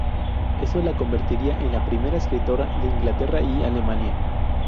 Eso la convertiría en la primera escritora de Inglaterra y Alemania.